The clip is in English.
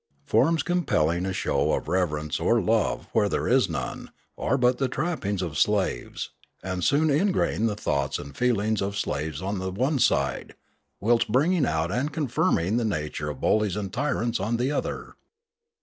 Forms compelling a show of rev erence or love where there is none, are but the trap pings of slaves, and soon ingrain the thoughts and Death 373 feelings of slaves on the one side, whilst bringing out and confirming the nature of bullies and tyrants on the other.